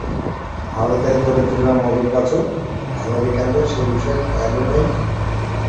ভারতের দরিদ্রেরা মরুক বাঁচুক, আমেরিকানদের সে বিষয়ে খেয়াল নাই।